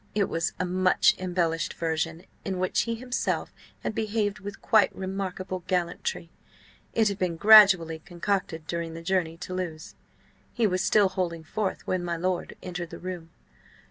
It was a much embellished version, in which he himself had behaved with quite remarkable gallantry. It had been gradually concocted during the journey to Lewes. He was still holding forth when my lord entered the room.